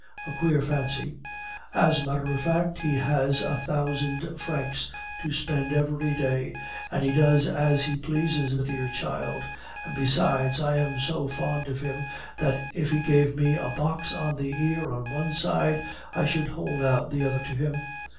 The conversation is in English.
A queer fancy! As a matter of fact, he has a thousand francs to spend every day, and he does as he pleases, the dear child. And besides, I am so fond of him that if he gave me a box on the ear on one side, I should hold out the other to him!